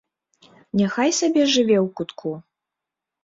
Няхай сабе жыве ў кутку.